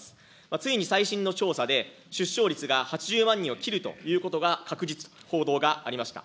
ついに最新の調査で、出生率が８０万人を切るということが確実と報道がありました。